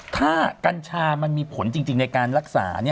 ถ้ากัญชามันมีผลจริงในการรักษา